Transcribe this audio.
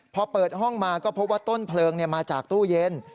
พอเปิดห้องมาก็พบว่าต้นเพลิงมาจากตู้เย็น